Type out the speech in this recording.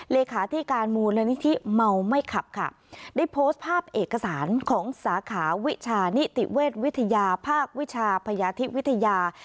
เลขาธิการมูลนิธิเมาไม่ขับค่ะได้โพสต์ภาพเอกสารของสาขาวิชานิติเวชวิทยาภาควิชาพยาธิวิทยา